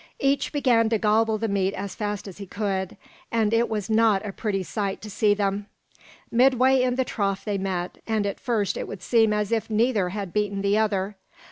Each began to gobble the meat as fast as he could, and it was not a pretty sight to see them. Midway in the trough they met, and at first it would seem as if neither had beaten the other.